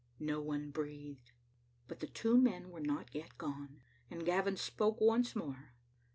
No one breathed. But the two men were not yet gone, and Gavin spoke once more.